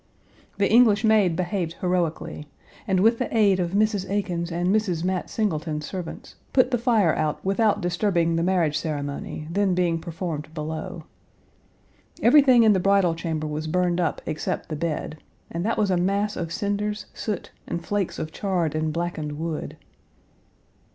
The English maid behaved heroically, and, with the aid of Mrs. Aiken's and Mrs. Mat Singleton's servants, put the fire out without disturbing the marriage ceremony, then being performed below. Everything in the bridal chamber was burned up except the bed, and that was a mass of cinders, soot, and flakes of charred and blackened wood.